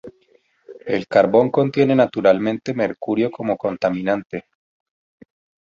El carbón contiene naturalmente mercurio como contaminante.